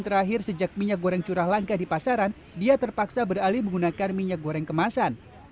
terakhir sejak minyak goreng curah langka di pasaran dia terpaksa beralih menggunakan minyak goreng kemasan